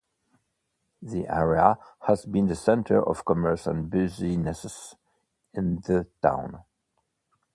The area has been the center of commerce and businesses in the town.